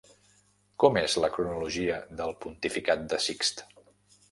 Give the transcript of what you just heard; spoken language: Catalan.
Com és la cronologia del pontificat de Sixt?